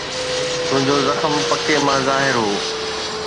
تنهنجو زخم پڪي مان ظاهر هو